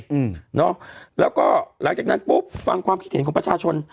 อืมเนอะแล้วก็หลังจากนั้นปุ๊บฟังความคิดเห็นของประชาชน